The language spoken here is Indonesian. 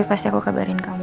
pasti aku kabarin kamu